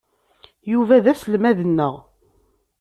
Yuba d aselmad-nneɣ.